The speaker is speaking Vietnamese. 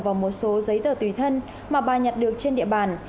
và một số giấy tờ tùy thân mà bà nhặt được trên địa bàn